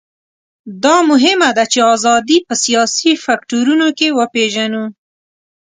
دا مهمه ده چې ازادي په سیاسي فکټورونو کې وپېژنو.